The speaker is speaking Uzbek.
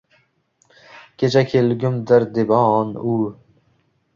Kecha kelgu…mdir debo… on… ul